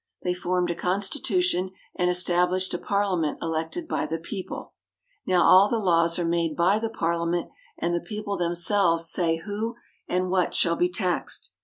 They formed a constitution and established a par liament elected by the people. Now all the laws are made Parliament House, Interior. by the Parliament, and the people themselves say who and what shall be taxed.